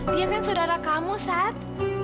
dia kan saudara kamu saat